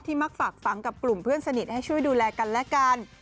มักฝากฝังกับกลุ่มเพื่อนสนิทให้ช่วยดูแลกันและกัน